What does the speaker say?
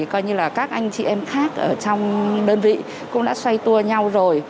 các anh chị em khác trong đơn vị cũng đã xoay tua nhau rồi